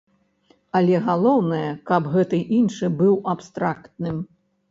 Але галоўнае, каб гэты іншы быў абстрактным.